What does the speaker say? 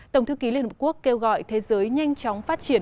tổng thư ký liên hợp quốc kêu gọi thế giới nhanh chóng phát triển